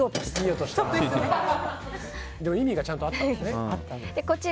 意味がちゃんとあったんだね。